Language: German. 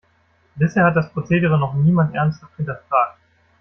Bisher hat das Prozedere noch niemand ernsthaft hinterfragt.